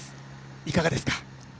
いかがですか。